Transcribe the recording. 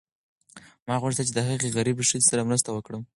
ما غوښتل چې د هغې غریبې ښځې سره مرسته وکړم.